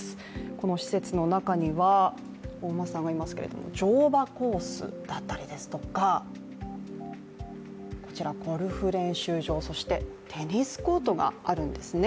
この施設の中にはお馬さんがいますけれども、乗馬コースだったりですとかこちらゴルフ練習場、そしてテニスコートがあるんですね。